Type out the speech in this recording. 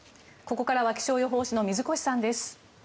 ここからは気象予報士の水越さんです。